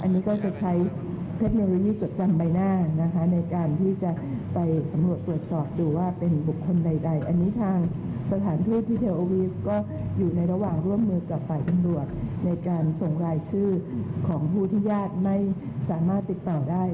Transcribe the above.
ในการส่งลายชื่อของผู้ที่ญาติไม่สามารถติดต่อได้